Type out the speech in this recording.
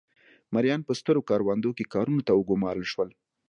مریان په سترو کروندو کې کارونو ته وګومارل شول.